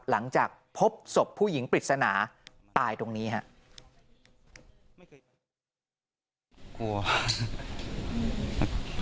หลังจากพบศพผู้หญิงปริศนาตายตรงนี้ครับ